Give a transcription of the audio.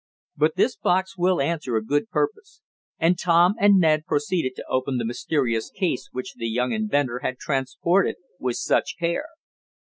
But this box will answer a good purpose," and Tom and Ned proceeded to open the mysterious case which the young inventor had transported with such care.